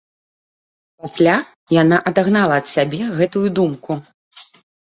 Пасля яна адагнала ад сябе гэтую думку.